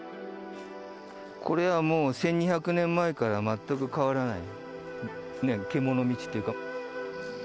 これはもう、１２００年前から全く変わらない獣道っていうか。